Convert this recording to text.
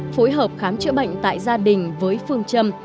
phối hợp khám chữa bệnh tại gia đình với phương châm